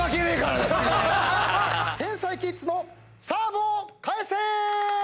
天才キッズのサーブを返せ！